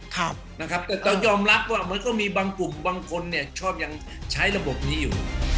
แต่เรายอมรับว่ามันก็มีบางกลุ่มบางคนชอบยังใช้ระบบนี้อยู่